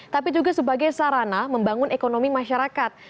tapi juga sebagai sarana membangun ekonomi masyarakat